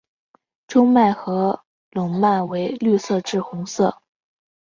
中脉和笼蔓为绿色至红色。